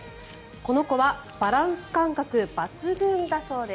この子はバランス感覚抜群だそうです。